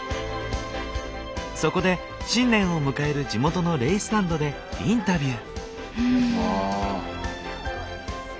そこで新年を迎える地元のレイスタンドでインタビュー。